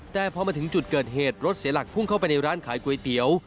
แต่พอมาถึงจุดเกิดเหตุรถเสียหลักพุ่งเข้าไปในร้านขายก๋วยเตี๋ยว